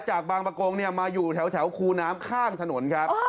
จากบางประกงมาอยู่แถวคูน้ำข้างถนนครับ